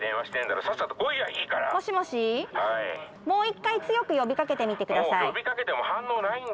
もう一回強く呼びかけてみて下さい。